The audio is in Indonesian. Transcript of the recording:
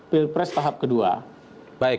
pilpres tahap kedua baik